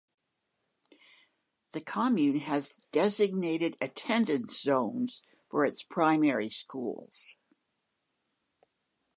The commune has designated attendance zones for its primary schools.